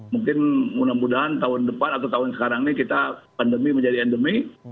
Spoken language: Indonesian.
mungkin mudah mudahan tahun depan atau tahun sekarang ini kita pandemi menjadi endemi